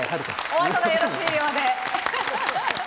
おあとがよろしいようで。